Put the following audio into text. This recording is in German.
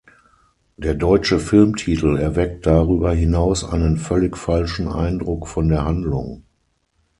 Der deutsche Filmtitel erweckt darüber hinaus einen völlig falschen Eindruck von der Handlung.